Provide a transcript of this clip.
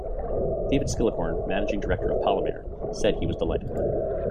David Skillicorn, managing director of Palmair, said he was delighted.